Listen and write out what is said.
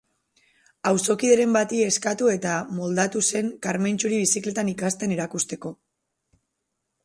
Auzokideren bati eskatu eta moldatu zen Karmentxuri bizikletan ikasten erakusteko.